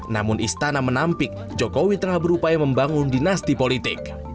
namun istana menampik jokowi tengah berupaya membangun dinasti politik